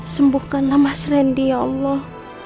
sembuhkanlah mas rendy ya allah